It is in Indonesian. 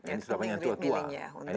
ini sudah banyak yang tua tua